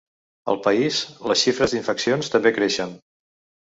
Al país, les xifres d’infeccions també creixen.